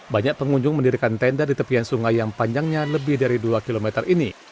banyak pengunjung mendirikan tenda di tepian sungai yang panjangnya lebih dari dua km ini